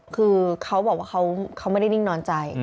คือเขาบอกว่าเขาไม่ได้นิ่งนอนใจ